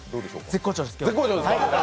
絶好調です。